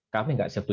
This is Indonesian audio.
kami nggak setuju